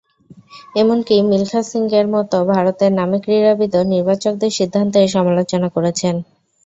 এমনকি মিলখা সিংয়ের মতো ভারতের নামী ক্রীড়াবিদও নির্বাচকদের সিদ্ধান্তের সমালোচনা করেছেন।